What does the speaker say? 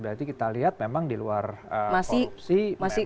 berarti kita lihat memang di luar korupsi memang masih